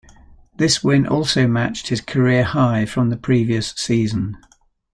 This win also matched his career high from the previous season.